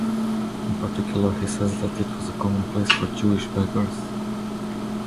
In particular, he says that it was a common place for Jewish beggars.